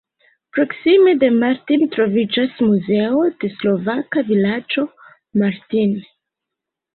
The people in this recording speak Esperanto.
Proksime de Martin troviĝas Muzeo de slovaka vilaĝo Martin.